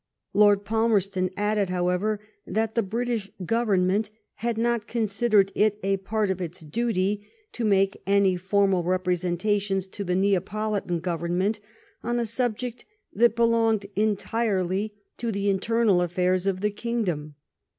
Lord Palmerston added, how ever, that the British Government had not con sidered it a part of its duty to make any formal representations to the Neapolitan Government on a subject that belonged entirely to the internal affairs of the kingdom.